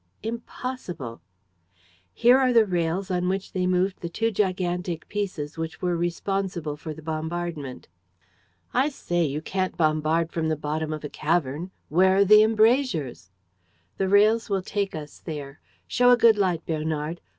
"Impossible." "Here are the rails on which they moved the two gigantic pieces which were responsible for the bombardment." "I say! You can't bombard from the bottom of a cavern! Where are the embrasures?" "The rails will take us there. Show a good light, Bernard.